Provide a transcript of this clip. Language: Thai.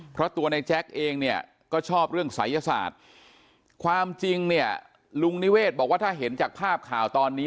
เพราะตัวในแจ๊คเองเนี่ยก็ชอบเรื่องศัยศาสตร์ความจริงเนี่ยลุงนิเวศบอกว่าถ้าเห็นจากภาพข่าวตอนนี้